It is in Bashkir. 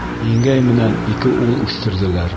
Еңгәй менән ике ул үҫтерҙеләр.